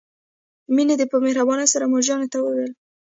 مينې په مهربانۍ سره مور جانې ته وويل.